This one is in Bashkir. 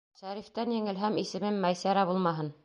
Шәрифтән еңелһәм, исемем Мәйсәрә булмаһын.